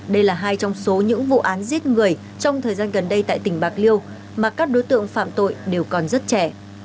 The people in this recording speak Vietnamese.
đây là hai trong số những vụ án giết người trong thời gian gần đây tại tỉnh bạc liêu mà các đối tượng phạm tội đều còn rất trẻ